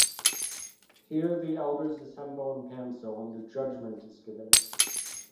Here, the elders assemble in council, and judgment is given.